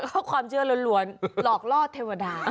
อ๋อเขาความเชื่อหลวนหลอกลอดเทวดา